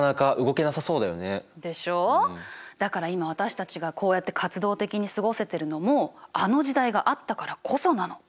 だから今私たちがこうやって活動的に過ごせてるのもあの時代があったからこそなの。